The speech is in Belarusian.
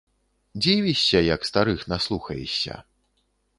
Дзівішся, як старых наслухаешся.